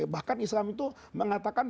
bahkan islam itu mengatakan